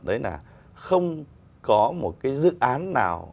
đấy là không có một cái dự án nào